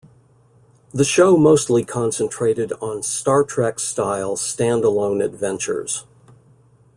The show mostly concentrated on "Star Trek"-style standalone adventures.